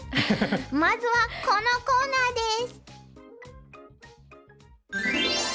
まずはこのコーナーです。